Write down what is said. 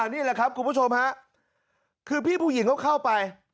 นี่แหละครับคุณผู้ชมฮะคือพี่ผู้หญิงเขาเข้าไป